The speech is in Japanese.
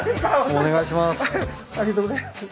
お願いします。